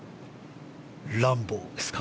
ランボーですか。